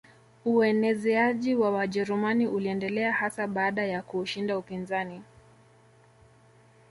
Uenezeaji wa Wajerumani uliendelea hasa baada ya kuushinda upinzani